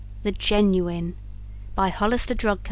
The Genuine by Hollister Drug Co.